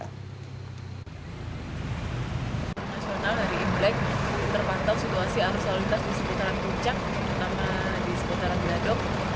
nasional hari imlek terpantau situasi arus lalu lintas di seputaran puncak terutama di seputaran gadok